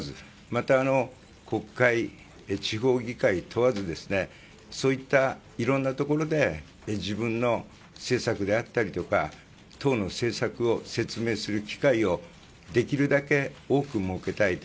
また、国会、地方議会問わずそういったいろんなところで自分の政策であったりとか党の政策を説明する機会をできるだけ多く設けたい。